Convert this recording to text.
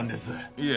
いえ。